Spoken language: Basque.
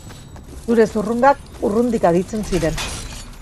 Zure zurrungak urrundik aditzen ziren.